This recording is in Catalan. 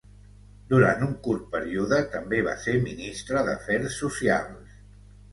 Durant un curt període també va ser ministre d'Afers Socials.